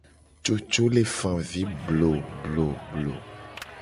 Coco le fa avi blobloblo.